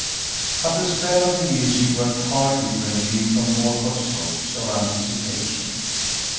But the spell of the music worked far differently from Walcott's hopes or anticipations.